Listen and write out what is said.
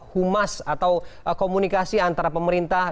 humas atau komunikasi antara pemerintah